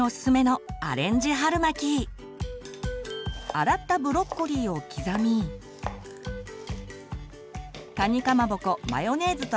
洗ったブロッコリーを刻みかにかまぼこマヨネーズとあわせます。